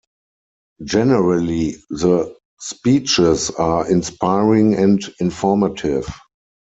Generally, the speeches are inspiring and informative.